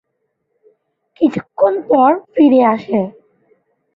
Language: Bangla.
কিছুক্ষণ পর ফিরে আসে।